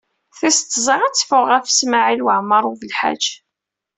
Tis tẓat ad teffeɣ ɣef Smawil Waɛmaṛ U Belḥaǧ?